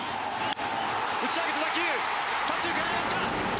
打ち上げた打球左中間へ上がった！